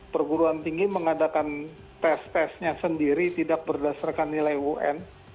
perguruan tinggi mengadakan tes tesnya sendiri tidak berdasarkan nilai un